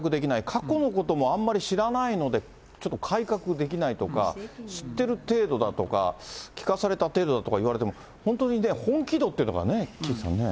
過去のこともあんまり知らないので、ちょっと改革できないとか、知ってる程度だとか、聞かされた程度だとか言われても、本当にね、本気度というのがね、岸さんね。